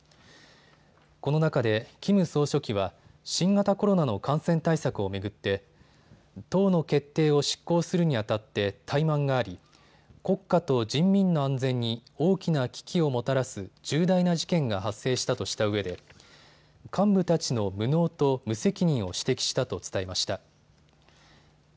この中でキム総書記は新型コロナの感染対策を巡って党の決定を執行するにあたって怠慢があり国家と人民の安全に大きな危機をもたらす重大な事件が発生したとしたうえで幹部たちの無能と無責任を指摘したと伝えました。